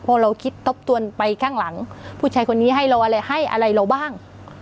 พอเราคิดทบทวนไปข้างหลังผู้ชายคนนี้ให้เราอะไรให้อะไรเราบ้าง